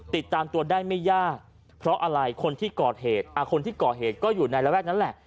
ติดตามตัวได้ไม่ยากเพราะอะไรคนที่ก่อเหตุคนที่ก่อเหตุก็อยู่ในระแวกนั้นแหละ